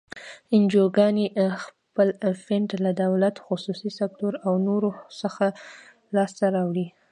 انجوګانې خپل فنډ له دولت، خصوصي سکتور او نورو څخه لاس ته راوړي.